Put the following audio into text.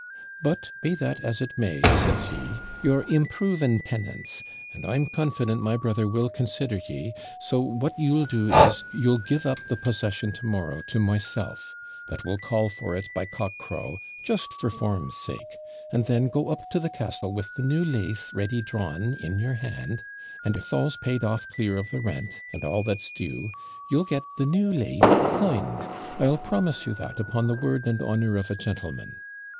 "But, be that as it may," says he, "you're improving tenants, and I'm confident my brother will consider ye; so what you'll do is, you'll give up the possession to morrow to myself, that will call for it by cock crow, just for form's sake; and then go up to the castle with the new LASE ready drawn, in your hand, and if all's paid off clear of the rent, and all that's due, you'll get the new LASE signed; I'll promise you that upon the word and honour of a gentleman."